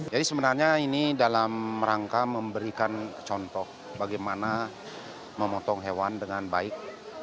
jadi sebenarnya ini dalam rangka memberikan contoh bagaimana memotong hewan dengan baik